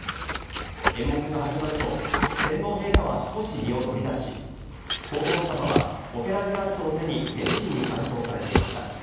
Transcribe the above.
演目が始まると、天皇陛下は少し身を乗り出し、皇后さまはオペラグラスを手に熱心に鑑賞されていました。